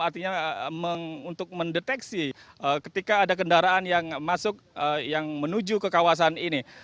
artinya untuk mendeteksi ketika ada kendaraan yang masuk yang menuju ke kawasan ini